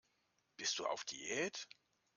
Bist du auf Diät?